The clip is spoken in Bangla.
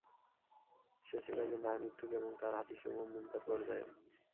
সে ছিল একজন ডাহা মিথুক এবং তার হাদীছসমূহ মুনকার পর্যায়ের।